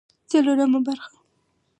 څلورمه برخه